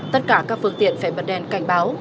tất cả các phương tiện phải bật đèn cảnh báo